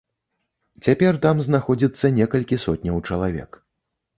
Цяпер там знаходзіцца некалькі сотняў чалавек.